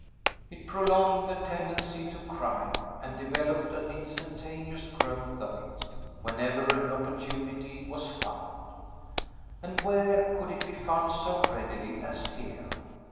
It prolonged the tendency to crime, and developed an instantaneous growth of it, whenever an opportunity was found; And where could it be found so readily as here!